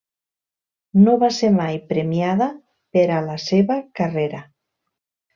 No va ser mai premiada per a la seva carrera.